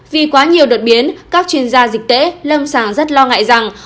vì quá nhiều đột biến các chuyên gia dịch tễ lâm sản rất lo ngại rằng